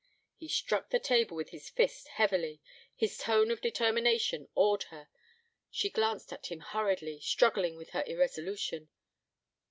He struck the table with his fist heavily. His tone of determination awed her: she glanced at him hurriedly, struggling with her irresolution.